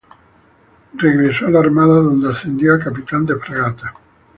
Regresó a la Armada donde ascendió a capitán de fragata.